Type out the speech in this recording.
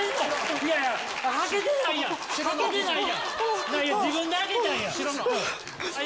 いやいや、自分で開けたんや。